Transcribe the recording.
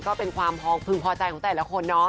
ก็เป็นความพึงพอใจของแต่ละคนเนาะ